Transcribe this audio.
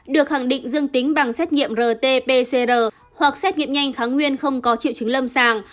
được khẳng định dương tính bằng xét nghiệm rt pcr hoặc xét nghiệm nhanh kháng nguyên không có triệu chứng lâm sàng